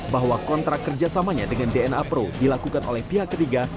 bahwa kontrak kerjasamanya dengan dna pro dilakukan oleh pihak ketiga